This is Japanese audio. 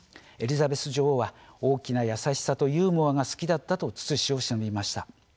エリザベス女王は大きな優しさとユーモアが好きだったと、しのびました。